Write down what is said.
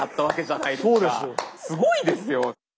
すごいですよ！